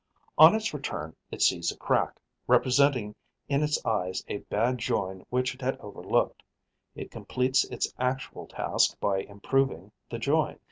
On its return, it sees a crack, representing in its eyes a bad join which it had overlooked; it completes its actual task by improving the join.